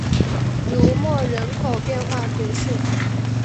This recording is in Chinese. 卢莫人口变化图示